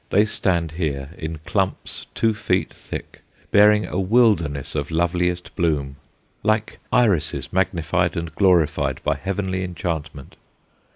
They stand here in clumps two feet thick, bearing a wilderness of loveliest bloom like Irises magnified and glorified by heavenly enchantment.